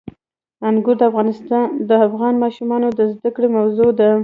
انګور د افغان ماشومانو د زده کړې موضوع ده.